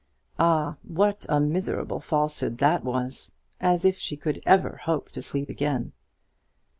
Ah, what a miserable falsehood that was! as if she could ever hope to sleep again!